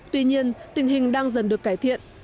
tuy nhiên tình hình đang dần được cải thiện